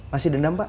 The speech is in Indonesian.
masih dendam pak